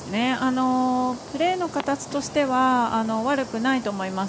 プレーの形としては悪くないと思います。